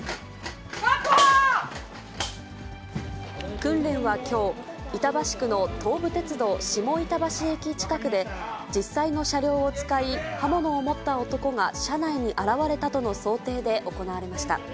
訓練はきょう、板橋区の東武鉄道下板橋駅近くで、実際の車両を使い、刃物を持った男が車内に現れたとの想定で行われました。